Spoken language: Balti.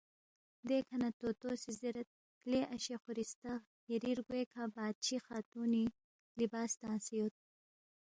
دیکھہ نہ طوطو سی زیرید، لے اشے خورِستہ یری رگوے کھہ بادشی خاتونی لباس تنگسے یود